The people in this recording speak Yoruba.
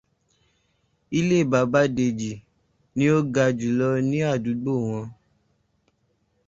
Ilé bàbá Dèjì ni ó ga jù ní àdúgbò wọn.